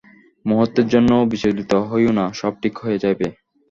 মুহূর্তের জন্যও বিচলিত হইও না, সব ঠিক হইয়া যাইবে।